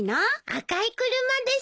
赤い車です。